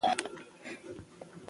په کندوزي خربوزو ووهه لاسونه